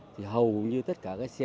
thì hầu như tất cả đều là xe điện